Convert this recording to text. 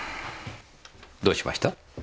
どうしました？